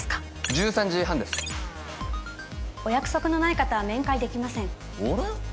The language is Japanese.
１３時半ですお約束のない方は面会できませんあれ？